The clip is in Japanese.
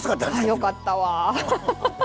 よかったわ。